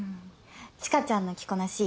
知花ちゃんの着こなし